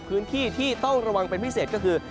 พื้นที่ที่ต้องระวังเป็นพิเศษก็คือ